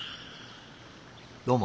どうも。